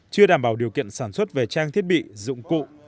chưa đảm bảo điều kiện sản xuất về trang thiết bị dụng cụ